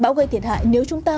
bão gây thiệt hại nếu chúng ta